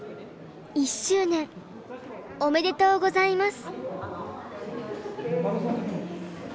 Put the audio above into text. １しゅう年おめでとうございます」。